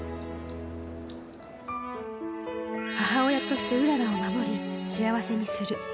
母親として麗を守り、幸せにする。